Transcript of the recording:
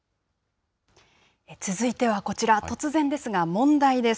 続いてはこちら、突然ですが問題です。